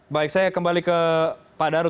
baik saya kembali ke pak daru